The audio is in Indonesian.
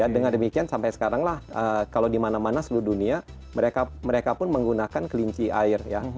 dengan demikian sampai sekarang lah kalau di mana mana seluruh dunia mereka pun menggunakan kelinci air ya